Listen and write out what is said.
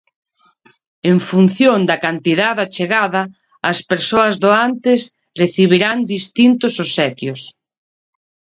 En función da cantidade achegada, as persoas doantes recibirán distintos obsequios.